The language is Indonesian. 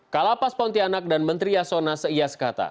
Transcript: kala pas pontianak dan menteri yasona seias kata